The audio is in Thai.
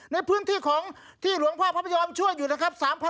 ในพื้นที่ของที่หลวงพ่อพระพยอมช่วยอยู่นะครับ